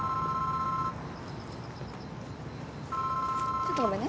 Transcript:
ちょっとごめんね。